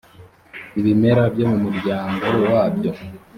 ibimera byo mu muryango wabyo